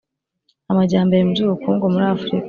Amajyambere mu by ubukungu muri afurika